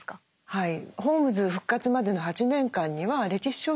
はい。